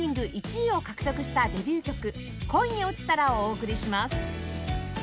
１位を獲得したデビュー曲『．．．恋に落ちたら』をお送りします